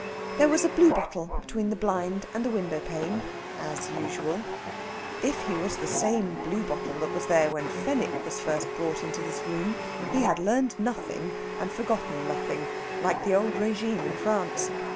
There was a bluebottle between the blind and the window pane, as usual; if he was the same bluebottle that was there when Fenwick was first brought into this room, he had learned nothing and forgotten nothing, like the old régime in France.